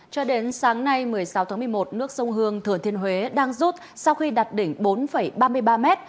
cho đến sáng nay một mươi sáu tháng một mươi một nước sông hương thừa thiên huế đang rút sau khi đặt đỉnh bốn ba mươi ba mét